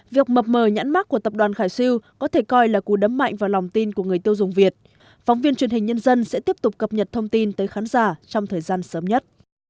việc mập mờ nhãn mắc của tập đoàn khải siêu có thể coi là cú đấm mạnh vào lòng tin của người tiêu dùng việt phóng viên truyền hình nhân dân sẽ tiếp tục cập nhật thông tin tới khán giả trong thời gian sớm nhất